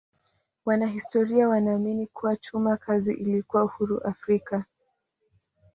Wanahistoria wanaamini kuwa chuma kazi ilikuwa huru Afrika.